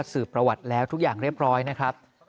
สื่อประวัติแล้วทุกอย่างเรียบร้อยนะครับ